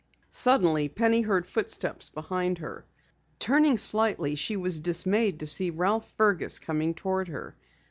Suddenly Penny heard footsteps behind her. Turning slightly she was dismayed to see Ralph Fergus coming toward her.